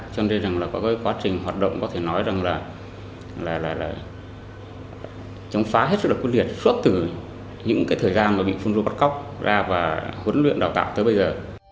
cho nên rằng là có cái quá trình hoạt động có thể nói rằng là chống phá hết sức là quyết liệt suốt từ những cái thời gian mà bị phun rô bắt cóc ra và huấn luyện đào tạo tới bây giờ